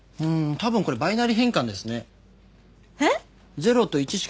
多分これバイナリ変換ですね。